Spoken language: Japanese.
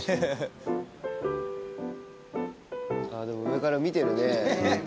でも上から見てるね。